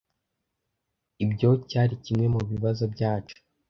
Ibyo cyari kimwe mubibazo byacu.